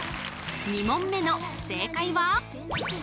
２問目の正解は？